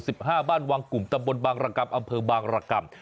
บ้านวังกลุ่มตำบลบางรกรรมอำเภอบางรกรรม